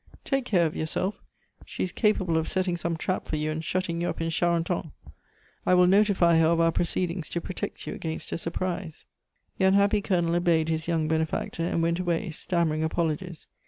Take care of yourself; she is capable of setting some trap for you and shutting you up in Charenton. I will notify her of our proceedings to protect you against a surprise." The unhappy Colonel obeyed his young benefactor, and went away, stammering apologies.